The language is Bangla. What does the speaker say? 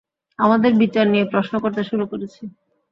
আমাদের বিচার নিয়ে প্রশ্ন করতে শুরু করেছি!